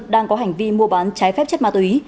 đang có hành vi mua bán trái phép chất ma túy